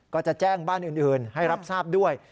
ก็จะแจ้งบ้านอื่นให้รับทราบด้วย